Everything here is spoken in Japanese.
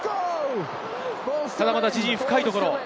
まだ自陣、深いところ。